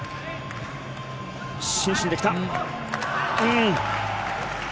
伸身できた。